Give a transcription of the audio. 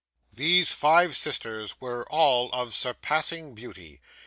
'These five sisters were all of surpassing beauty.